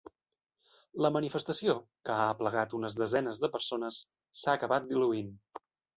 La manifestació, que ha aplegat algunes desenes de persones, s’ha acabat diluint.